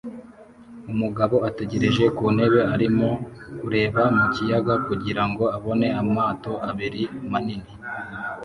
Umugabo ategereje ku ntebe arimo kureba mu kiyaga kugira ngo abone amato abiri manini